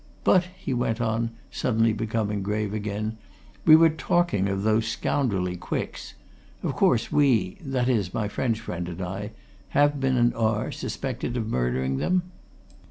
but," he went on, suddenly becoming grave again, "we were talking of those scoundrelly Quicks. Of course we that is, my French friend and I have been, and are, suspected of murdering them?"